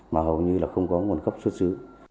mà hầu như là không có nguồn gốc xuất xứ